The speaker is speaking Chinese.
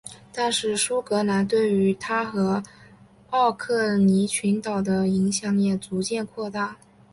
但是苏格兰对于它和奥克尼群岛的影响也逐渐扩大。